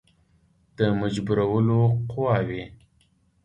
د مجبورولو قواوي.